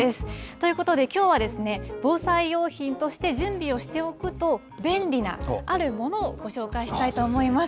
ということで、きょうはですね、防災用品として準備をしておくと便利なあるものをご紹介したいと思います。